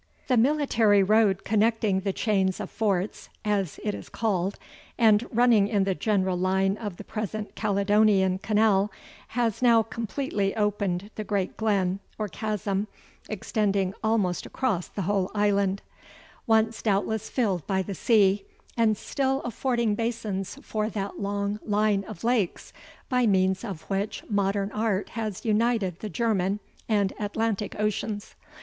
The military road connecting the chains of forts, as it is called, and running in the general line of the present Caledonian Canal, has now completely opened the great glen, or chasm, extending almost across the whole island, once doubtless filled by the sea, and still affording basins for that long line of lakes, by means of which modern art has united the German and Atlantic Oceans.